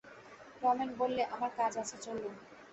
রমেন বললে, আমার কাজ আছে চললুম।